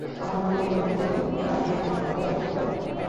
আমার বন্ধুকে মেরে নিজের বাড়িকে মন্দির বলার সাহস কি করে হয়!